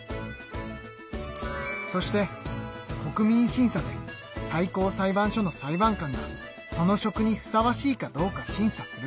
そして国民審査で最高裁判所の裁判官がその職にふさわしいかどうか審査する。